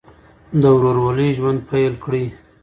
د ورورولۍ ژوند پیل کړئ.